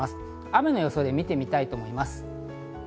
雨の予想を見てみたいと思います。